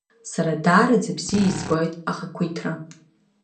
Сара даараӡа бзиа избоит ахақәиҭра.